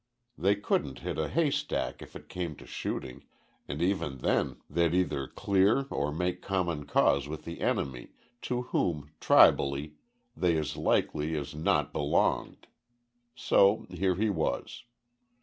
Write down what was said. They couldn't hit a haystack if it came to shooting, and even then they'd either clear or make common cause with the enemy, to whom, tribally, they as likely as not belonged. So here he was.